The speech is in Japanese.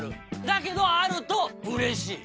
だけど、あるとうれしい。